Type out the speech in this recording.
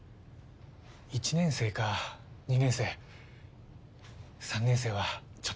１年生か２年生３年生はちょっと。